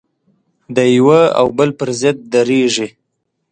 د یوه او بل پر ضد درېږي.